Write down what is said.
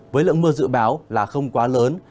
với lượng mưa dự báo là không quá lớn